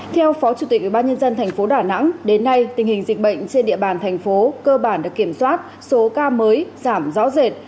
theo phó chủ tịch ubnd tp đà nẵng đến nay tình hình dịch bệnh trên địa bàn thành phố cơ bản được kiểm soát số ca mới giảm rõ rệt